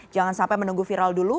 jangan sampai menunggu viral dulu